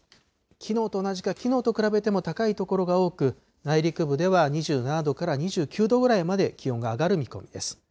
きのうと同じかきのうと比べても高い所が多く、内陸部では２７度から２９度ぐらいまで気温が上がる見込みです。